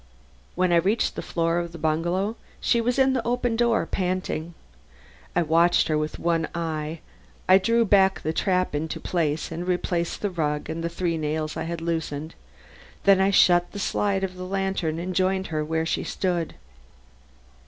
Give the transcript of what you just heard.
When I reached the floor of the bungalow she was in the open door panting. Watching her with one eye, I drew back the trap into place and replaced the rug and the three nails I had loosened. Then I shut the slide of the lantern and joined her where she stood.